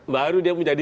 baru dia menjadi